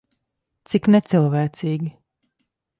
Cik necilvēcīgi.